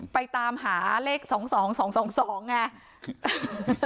ไปตามหาเลข๒๒๒ไง